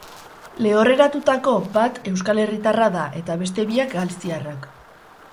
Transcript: Lehorreratutako bat euskal herritarra da eta beste biak galiziarrak.